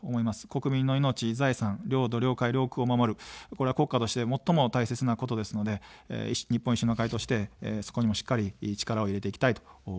国民の命、財産、領土、領海、領空を守る、これは国家として最も大切なことですので、日本維新の会としてそこにもしっかり力を入れていきたいと思います。